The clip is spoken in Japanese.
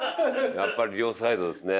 やっぱり両サイドですね。